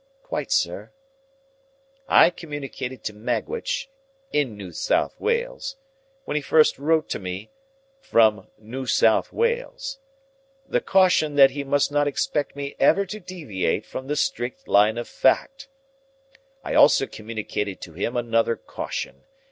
"Quite, sir." "I communicated to Magwitch—in New South Wales—when he first wrote to me—from New South Wales—the caution that he must not expect me ever to deviate from the strict line of fact. I also communicated to him another caution.